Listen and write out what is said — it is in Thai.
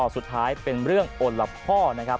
สุดท้ายเป็นเรื่องโอละพ่อนะครับ